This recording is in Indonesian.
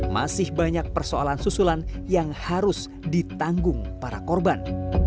masih banyak persoalan susulan yang harus ditanggung para korban